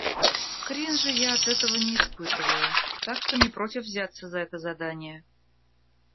Кринжа я от этого не испытываю, так что не против взяться за это задание.